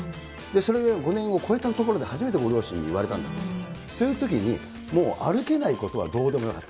それが５年を超えたところで初めてご両親に言われたんだと。というときに、もう歩けないことはどうでもよかった。